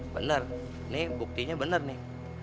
bener ini buktinya bener nih